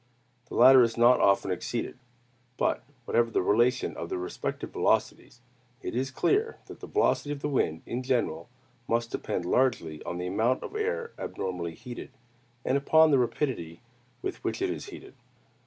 The latter is not often exceeded. But whatever the relation of the respective velocities, it is clear that the velocity of the wind in general must depend largely on the amount of air abnormally heated, and upon the rapidity with which it is heated.